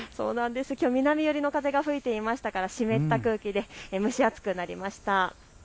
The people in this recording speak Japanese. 南寄りの風が吹いていましたから湿った空気で蒸し暑くなりました。